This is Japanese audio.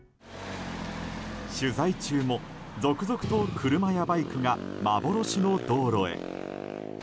取材中も続々と車やバイクが幻の道路へ。